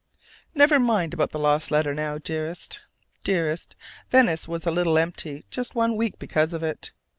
Never mind about the lost letter now, dearest, dearest: Venice was a little empty just one week because of it.